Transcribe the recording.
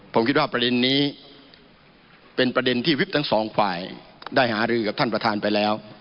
ผมคิดว่าประเด็นนี้เป็นประเด็นที่วิบทั้งสองฝ่ายได้หารือกับท่านประธานไปแล้ว